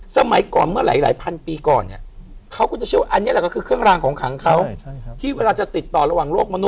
ตอนเค้าใช้เค้าใช้กันแบบไหน